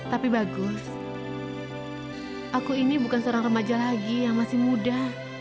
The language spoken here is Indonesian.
tapi bagus aku ini bukan seorang remaja lagi yang masih muda